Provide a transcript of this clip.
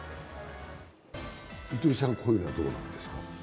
糸井さん、こういうのはどうなんですか？